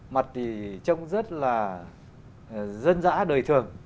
mặt thì trông rất là dân dã đời thường